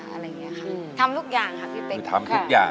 อะไรอย่างนี้ค่ะทำทุกอย่างค่ะพี่เป๊กคือทำทุกอย่าง